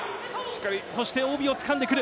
そして、帯をつかんでくる。